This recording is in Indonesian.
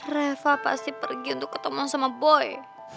reva pasti pergi untuk ketemu sama boy